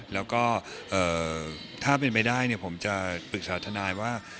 แล้วก็ถ้าเป็นไปได้ผมจะปรึกษาทนายว่า